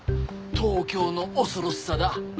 東京の恐ろしさだ。